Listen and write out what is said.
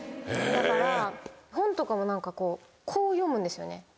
だから本とかもこう読むんですよね。